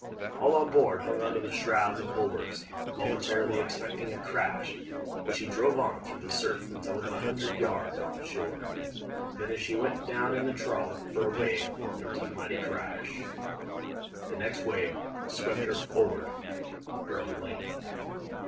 All on board hung on to the shrouds and bulwarks, momentarily expecting a crash, but she drove on through the surf until within a hundred yards of the shore. Then as she went down in the trough of a wave there was a mighty crash. The next wave swept her forward her own length.